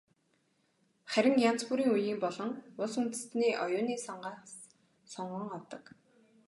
Харин янз бүрийн үеийн болон улс үндэстний оюуны сангаас сонгон авдаг.